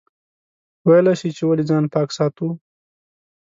ویلای شئ چې ولې ځان پاک ساتو؟